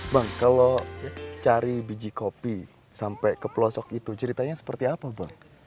bang kalau cari biji kopi sampai ke pelosok itu ceritanya seperti apa bang